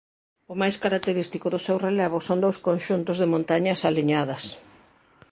O máis característico do seu relevo son dous conxuntos de montañas aliñadas.